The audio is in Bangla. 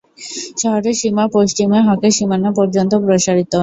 শহরের সীমা পশ্চিমে হকের সীমানা পর্যন্ত প্রসারিত।